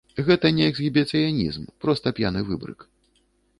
Гэта не эксгібіцыянізм, проста п'яны выбрык.